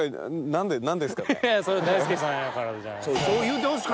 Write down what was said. それは大輔さんやからじゃないですか？